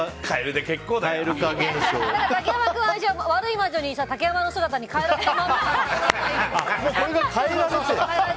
竹山君は悪い魔女に竹山の姿に変えられたまんまだから。